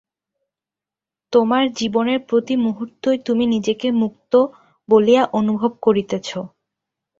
তোমার জীবনের প্রতি মুহূর্তই তুমি নিজেকে মুক্ত বলিয়া অনুভব করিতেছ।